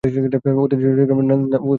অতিথি চরিত্রে ছিলেন নাসিরুদ্দিন শাহ্।